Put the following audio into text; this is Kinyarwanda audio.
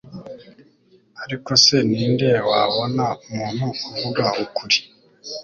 ariko se ni nde wabona umuntu uvuga ukuri